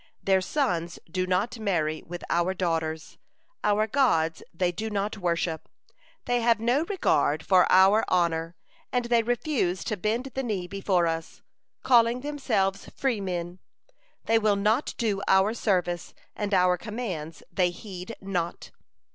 Their sons do not marry with our daughters, our gods they do not worship, they have no regard for our honor, and they refuse to bend the knee before us. Calling themselves freemen, they will not do our service, and our commands they heed not.'